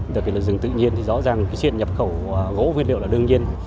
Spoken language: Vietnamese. được cái là rừng tự nhiên thì rõ ràng cái chuyện nhập khẩu gỗ nguyên liệu là đương nhiên